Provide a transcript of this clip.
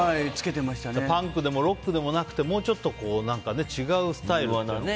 パンクでもロックでもなくてもうちょっと、違うスタイルでね。